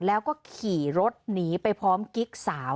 แล้วก็ขี่รถหนีไปพร้อมกิ๊กสาว